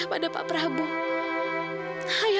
kau pembunuh ayah saya